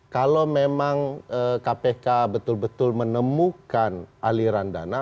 kalau memang kpk betul betul menemukan aliran dana